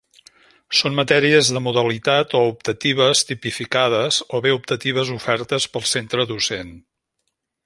Són matèries de modalitat o optatives tipificades o bé optatives ofertes pel centre docent.